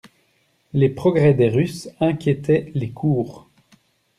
Les progrès des Russes inquiétaient les cours.